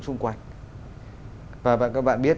xung quanh và các bạn biết